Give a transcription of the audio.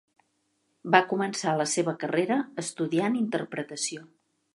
Va començar la seva carrera estudiant interpretació.